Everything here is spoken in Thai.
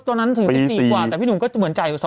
ตอนนั้นถึงกิน๔กว่าแต่พี่หนุ่มก็เหมือนจะจ่ายอยู่๒๐๐๐อ่ะ